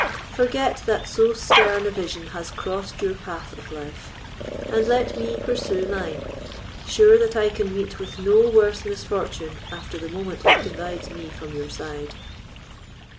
Forget that so stern a vision has crossed your path of life; and let me pursue mine, sure that I can meet with no worse misfortune after the moment it divides me from your side."